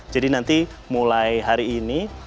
jadi nanti mulai hari ini